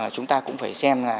chúng ta cũng phải xem là